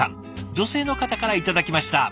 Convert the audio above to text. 女性の方から頂きました。